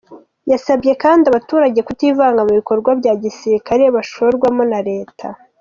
Yasabye kandi abaturage kutivanga mu bikorwa bya gisirikare bashorwamo na Leta.